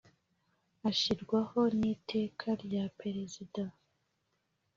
ashyirwaho n’iteka rya perezida